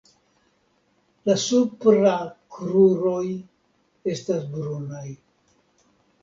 La supra kruroj estas brunaj.